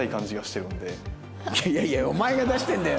いやいやお前が出してんだよ